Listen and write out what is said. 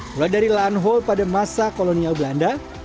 mulai dari laan hol pada masa kolonial belanda